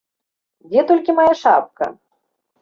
Дзе толькі мая шапка?